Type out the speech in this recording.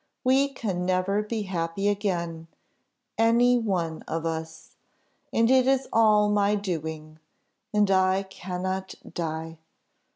We can never be happy again any one of us. And it is all my doing and I cannot die.